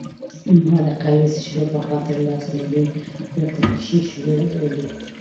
ما د قهوې څښلو په خاطر لس لیرې ورته کښېښوولې.